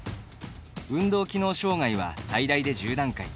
運動機能障がいは最大で１０段階。